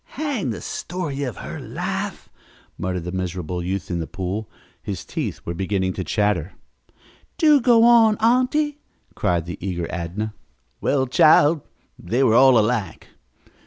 "Hang the story of her life!" muttered the miserable youth in the pool. His teeth were beginning to chatter. "Do go on, aunty!" cried the eager Adnah. "Well, child, they were all alike.